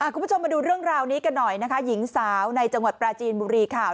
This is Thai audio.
คุณผู้ชมมาดูเรื่องราวนี้กันหน่อยนะคะหญิงสาวในจังหวัดปราจีนบุรีค่ะ